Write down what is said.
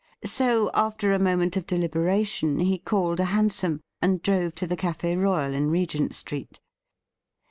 So, after a moment of deliberation, he called a hansom, and drove to the Cafe Royal in Regent Street.